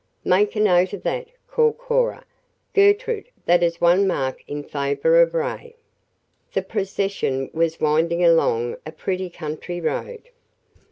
"Make a note of that," called Cora. "Gertrude, that is one mark in favor of Ray." The procession was winding along a pretty country road.